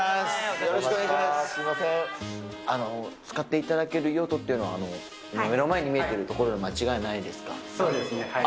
使っていただける用途っていうのは、目の前に見えてる所で間そうですね、はい。